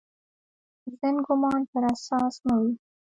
ظن ګومان پر اساس نه وي.